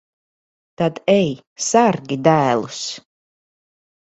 Tad ej, sargi dēlus.